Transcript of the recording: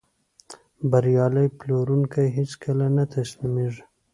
بریالی پلورونکی هیڅکله نه تسلیمېږي.